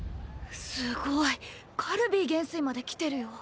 すごいカルヴィ元帥まで来てるよ。